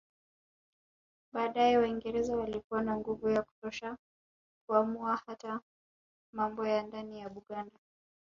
Baadae Waingereza walikuwa na nguvu ya kutosha kuamua hata mambo ya ndani ya Buganda